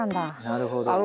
なるほど。